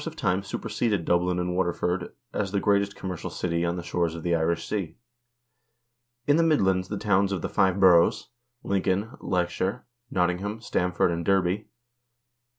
80 HISTORY OF THE NORWEGIAN PEOPLE time superseded Dublin and Waterford as the greatest commercial city on the shores of the Irish Sea.1 In the Midlands the towns of the "Five Boroughs," Lincoln, Leicester, Nottingham, Stamford, and Derby (O.